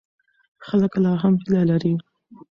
خلک لا هم هیله لري.